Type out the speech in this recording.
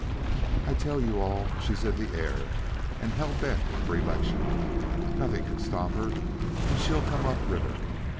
I tell you all she's in the air and hell bent for election. Nothing can stop her, and she'll come up river.